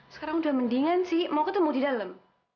sekarang udah mendingan sih mau ketemu di dalam